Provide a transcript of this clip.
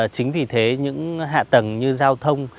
chính vì thế những hạ tầng như giao thông